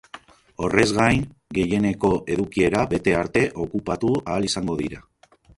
Horrez gain, gehieneko edukiera bete arte okupatu ahal izango dira.